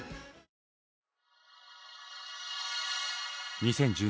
２０１２年